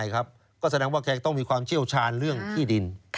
ก็แสดงว่าแกต้องมีความเชี่ยวชาญเรื่องที่ดิน